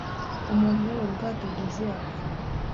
Umuntu uyobora ubwato bwuzuye abantu